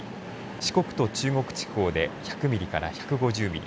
四国と中国地方で１００ミリから１５０ミリ